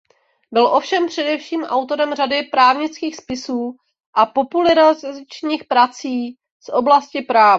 Byl ovšem především autorem řady právnických spisů a popularizačních prací z oblasti práva.